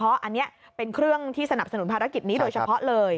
เพราะอันนี้เป็นเครื่องที่สนับสนุนภารกิจนี้โดยเฉพาะเลย